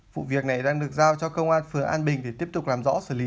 vụ việc này đang được giao cho công an phường an bình để tiếp tục làm rõ xử lý